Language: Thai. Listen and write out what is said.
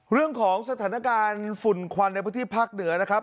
เรื่องของสถานการณ์ฝุ่นควันในพื้นที่ภาคเหนือนะครับ